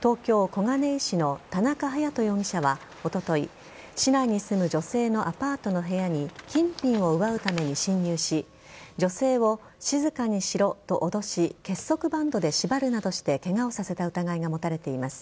東京・小金井市の田中隼人容疑者はおととい市内に住む女性のアパートの部屋に金品を奪うために侵入し女性を静かにしろと脅し結束バンドで縛るなどしてケガをさせた疑いが持たれています。